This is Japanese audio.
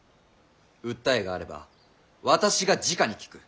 訴えがあれば私がじかに聞く。